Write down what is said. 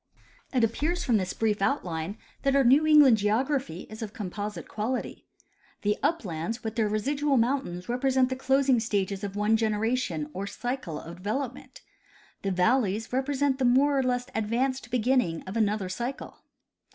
It appears from this brief outline that our New England geog raphy is of composite quality. The uplands with their residual mountains re})resent the closing stages of one generation or " cycle " of development ; the valleys represent the more or less advanced beginning of another cycle.